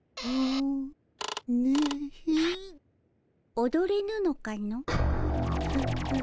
おどれぬのかの？